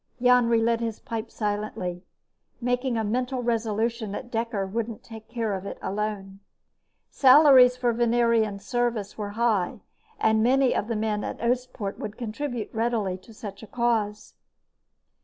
Jan relit his pipe silently, making a mental resolution that Dekker wouldn't take care of it alone. Salaries for Venerian service were high, and many of the men at Oostpoort would contribute readily to such a cause.